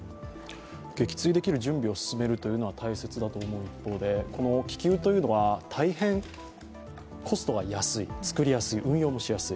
撃墜できる準備を進めるのは大切だと思う一方で、この気球というのは大変コストが安い、作りやすい、運用もしやすい。